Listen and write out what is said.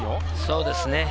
そうですね。